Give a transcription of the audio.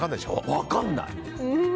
分かんない。